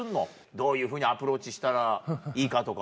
どういうふうにアプローチしたらいいかとか。